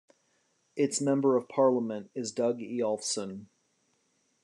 Its Member of Parliament is Doug Eyolfson.